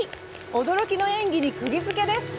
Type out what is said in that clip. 驚きの演技に、くぎづけです。